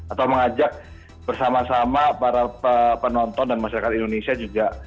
atau mengajak bersama sama para penonton dan masyarakat indonesia juga